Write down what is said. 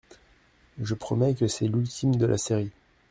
Je promets que c’est l’ultime de la série.